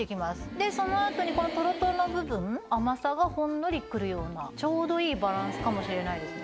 でその後にとろとろの部分甘さがほんのりくるようなちょうどいいバランスかもしれないですね。